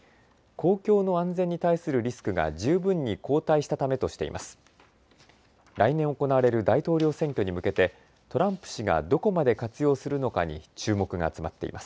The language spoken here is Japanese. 公共の安全に対するリスクが十分に後退したためとしています。